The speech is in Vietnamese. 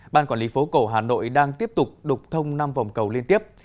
ban quản lý phố cổ hà nội đang tiếp tục đục thông năm vòng cầu liên tiếp